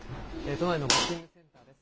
都内のバッティングセンターです。